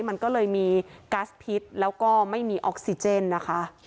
มันก็เลยมีก๊าซพิษแล้วก็ไม่มีออกซิเจนนะคะ